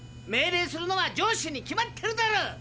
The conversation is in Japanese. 命令するのは上司に決まってるだろ。